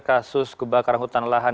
kasus kebakaran hutan lahan